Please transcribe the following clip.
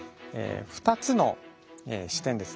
２つの視点ですね